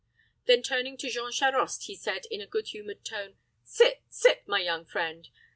Then turning to Jean Charost, he said, in a good humored tone, "Sit, sit, my young friend.